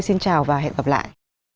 xin chào và hẹn gặp lại